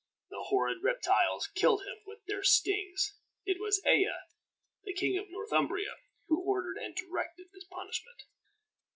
The horrid reptiles killed him with their stings. It was Ella, the king of Northumbria, who ordered and directed this punishment.